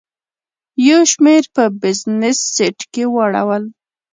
یو شمېر په بزنس سیټ کې واړول.